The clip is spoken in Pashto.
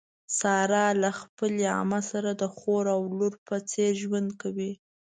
ساره له خپلې عمه سره د خور او لور په څېر ژوند کوي.